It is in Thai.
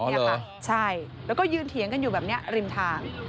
นี่ค่ะใช่แล้วก็ยืนเถียงกันอยู่แบบนี้ริมทาง